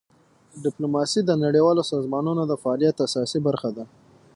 ډیپلوماسي د نړیوالو سازمانونو د فعالیت اساسي برخه ده.